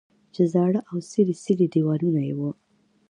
چې زاړه او څیري څیري دیوالونه یې وو.